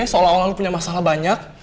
seolah olah lo punya masalah banyak